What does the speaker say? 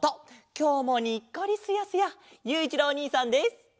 きょうもにっこりスヤスヤゆういちろうおにいさんです！